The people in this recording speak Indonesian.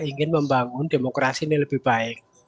ingin membangun demokrasi ini lebih baik